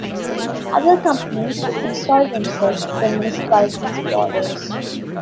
Other companies would install themselves with the municipality's borders.